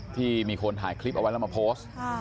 ที่มีคนถ่ายคลิปเอาไว้แล้วมาโพสต์